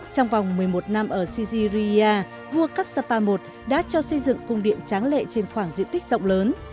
trong vòng một mươi một năm ở sijiriya vua kapsapa i đã cho xây dựng công điện tráng lệ trên khoảng diện tích rộng lớn